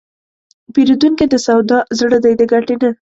پیرودونکی د سودا زړه دی، د ګټې نه.